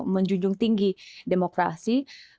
menjunjung tinggi demokrasi